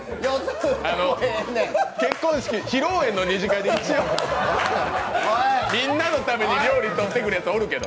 あの、披露宴の二次会でみんなのために料理とってくれるやつ、おるけど。